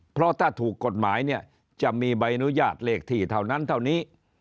เพราะถ้าถูกกฎหมายเนี่ยจะมีใบอนุญาตเลขที่เท่านั้นเท่านี้